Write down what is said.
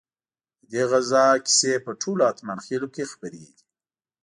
ددې غزا کیسې په ټولو اتمانخيلو کې خپرې دي.